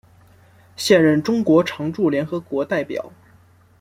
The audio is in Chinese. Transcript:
现任中国常驻联合国代表。